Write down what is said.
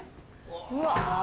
うわ。